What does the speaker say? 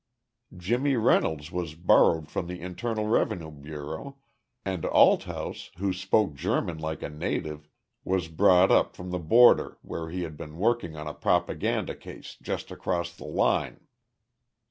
Jimmy Reynolds was borrowed from the Internal Revenue Bureau, and Althouse, who spoke German like a native, was brought up from the border where he had been working on a propaganda case just across the line.